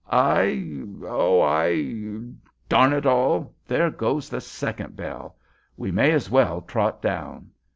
"I—oh—I—darn it all! there goes the second bell. We may as well trot down."